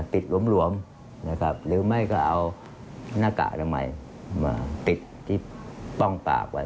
หลวมนะครับหรือไม่ก็เอาหน้ากากอนามัยมาปิดที่ป้องปากไว้